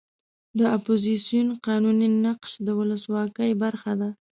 د اپوزیسیون قانوني نقش د ولسواکۍ برخه ده.